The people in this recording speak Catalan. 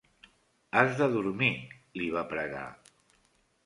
Has de dormir, li va pregar.